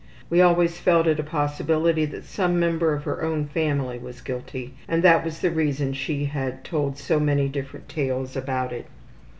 We always felt it a possibility that some member of her own family was guilty and that was the reason she had told so many different tales about it.